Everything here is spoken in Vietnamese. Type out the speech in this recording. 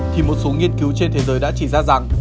thì một số nghiên cứu trên thế giới đã chỉ ra rằng